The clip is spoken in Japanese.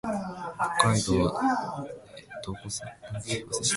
北海道洞爺湖町